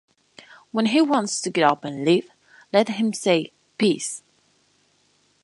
When he wants to get up and leave, let him say 'Peace'.